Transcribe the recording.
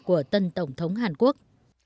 của tân tổng thống hàn quốc